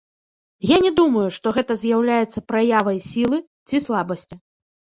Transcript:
Я не думаю, што гэта з'яўляецца праявай сілы ці слабасці.